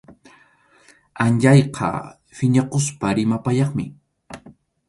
Anyayqa phiñakuspa rimapayaymi.